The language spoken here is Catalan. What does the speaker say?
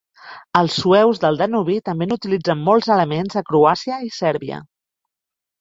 Els sueus del Danubi també n'utilitzen molts elements a Croàcia i Sèrbia.